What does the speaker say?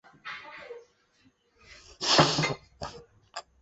这是皮泽建造的唯一一座铁路车站。